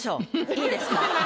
いいですか？